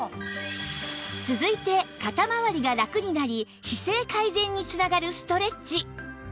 続いて肩まわりがラクになり姿勢改善に繋がるストレッチ